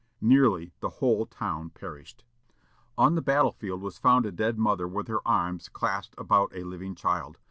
Nearly the whole town perished. On the battle field was found a dead mother with her arms clasped about a living child.